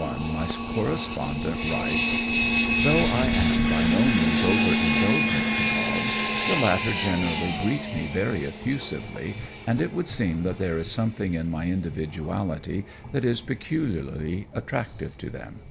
1 my correspondent writes: "Though I am by no means over indulgent to dogs, the latter generally greet me very effusively, and it would seem that there is something in my individuality that is peculiarly attractive to them.